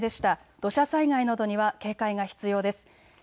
土砂災害などには警戒が必要です。